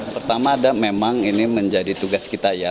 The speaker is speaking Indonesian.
pertama ada memang ini menjadi tugas kita ya